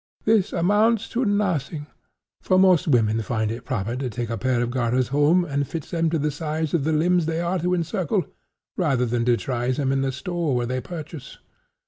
This amounts to nothing; for most women find it proper to take a pair of garters home and fit them to the size of the limbs they are to encircle, rather than to try them in the store where they purchase.